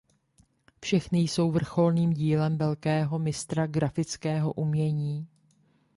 Všechny jsou vrcholným dílem velkého mistra grafického umění.